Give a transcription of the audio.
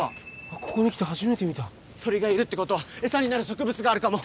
ここに来て初めて見た鳥がいるってことは餌になる植物があるかも！